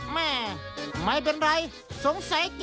แม่ไม่เป็นไรสงสัยนะครับ